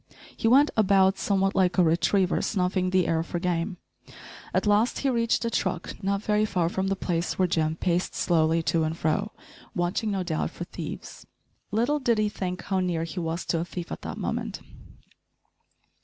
He went about somewhat like a retriever snuffing the air for game. At last he reached a truck, not very far from the place where Jim paced slowly to and fro, watching, no doubt, for thieves. Little did he think how near he was to a thief at that moment!